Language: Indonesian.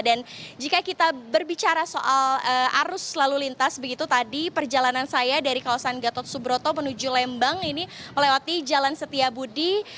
dan jika kita berbicara soal arus lalu lintas begitu tadi perjalanan saya dari kawasan gatot subroto menuju lembang ini melewati jalan setia budi